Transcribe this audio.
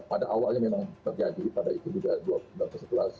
pada awalnya memang terjadi pada itu juga sudah bersekelas sebelas